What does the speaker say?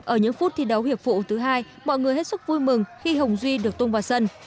ở những phút thi đấu hiệp phụ thứ hai mọi người hết sức vui mừng khi hồng duy được tung vào sân